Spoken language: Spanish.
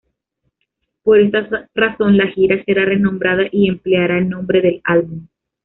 Por esta razón, la gira será renombrada y empleará el nombre del álbum.